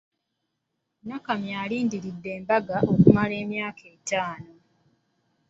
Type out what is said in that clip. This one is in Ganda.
Nakamya alindiridde embaga okumala emyaka etaano.